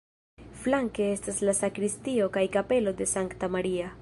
Flanke estas la sakristio kaj kapelo de Sankta Maria.